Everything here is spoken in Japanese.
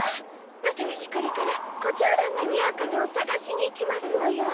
わたくしこれからコチョウランがにあうかたをさがしにいきますのよ。